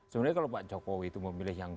sebenarnya kalau pak jokowi itu memilih yang